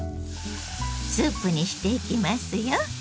スープにしていきますよ。